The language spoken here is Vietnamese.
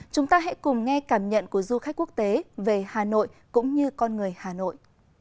chúng ta hãy cùng nghe cảm nhận của du khách quốc tế về hà nội cũng như con người hà nội